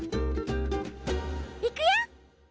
いくよ！